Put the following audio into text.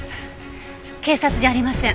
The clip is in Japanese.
警察じゃありません。